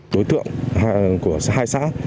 đối tượng của hai xã